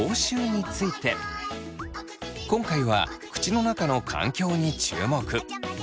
今回は口の中の環境に注目。